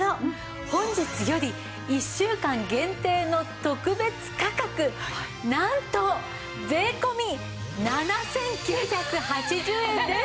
本日より１週間限定の特別価格なんと税込７９８０円です！